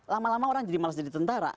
lama lama orang jadi malas jadi tentara